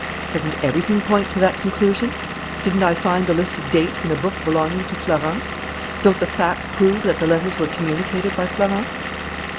Doesn't everything point to that conclusion? Didn't I find the list of dates in a book belonging to Florence? Don't the facts prove that the letters were communicated by Florence?...